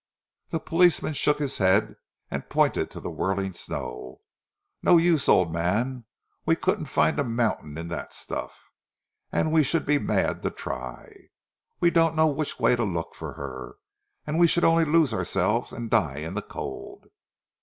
The policeman shook his head and pointed to the whirling snow. "No use, old man, we couldn't find a mountain in that stuff, and we should be mad to try. We don't know which way to look for her, and we should only lose ourselves and die in the cold."